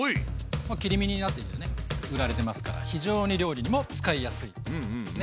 切り身になっていてね売られてますから非常に料理にも使いやすいですね。